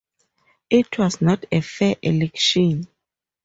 It was not a fair election.